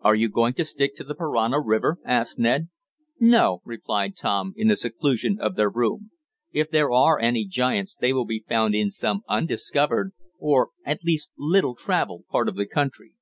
"Are you going to stick to the Parana river?" asked Ned. "No," replied Tom, in the seclusion of their room, "if there are any giants they will be found in some undiscovered, or at least little traveled, part of the country.